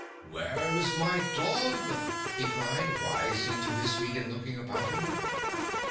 " Where is my dog ?" he cried, rising to his feet and looking about him.